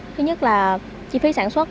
thứ nhất là chi phí sản xuất